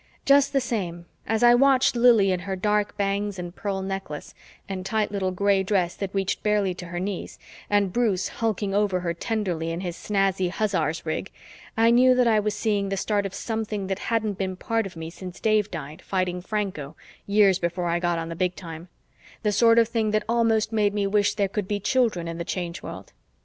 Just the same, as I watched Lili in her dark bangs and pearl necklace and tight little gray dress that reached barely to her knees, and Bruce hulking over her tenderly in his snazzy hussar's rig, I knew that I was seeing the start of something that hadn't been part of me since Dave died fighting Franco years before I got on the Big Time, the sort of thing that almost made me wish there could be children in the Change World.